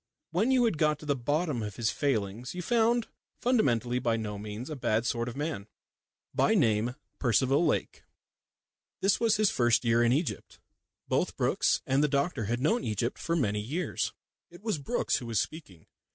When you had got to the bottom of his failings you found fundamentally by no means a bad sort of man, by name Percival Lake. This was his first year in Egypt. Both Brookes and the doctor had known Egypt for many years. It was Brookes who was speaking.